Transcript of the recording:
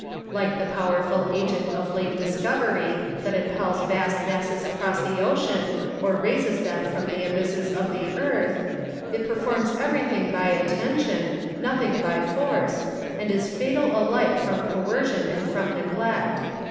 Like the powerful agent of late discovery, that impels vast masses across the ocean or raises them from the abysses of the earth, it performs everything by attention, nothing by force, and is fatal alike from coercion and from neglect.